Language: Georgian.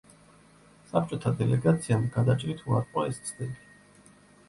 საბჭოთა დელეგაციამ გადაჭრით უარყო ეს ცდები.